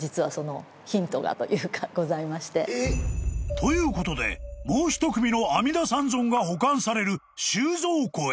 ［ということでもう１組の阿弥陀三尊が保管される収蔵庫へ］